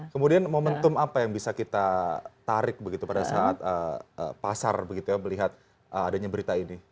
kemudian momentum apa yang bisa kita tarik begitu pada saat pasar begitu ya melihat adanya berita ini